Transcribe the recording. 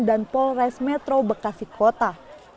dan polres metro bekasi kota